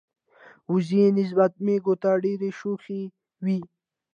وزې نسبت مېږو ته ډیری شوخی وی.